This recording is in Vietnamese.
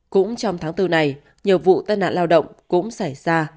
cũng trong tháng bốn này nhiều vụ tai nạn lao động cũng xảy ra